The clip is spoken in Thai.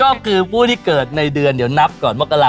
โหยิวมากประเด็นหัวหน้าแซ่บที่เกิดเดือนไหนในช่วงนี้มีเกณฑ์โดนหลอกแอ้มฟรี